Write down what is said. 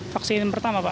vaksin pertama pak